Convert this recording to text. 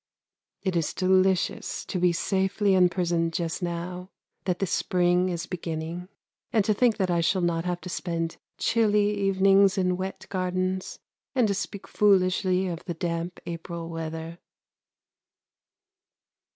It is delicious to be safely in prison just now that the spring is beginning and to think that I shall not have to spend chilly evenings in wet gardens and to speak foolishly of the damp April weather.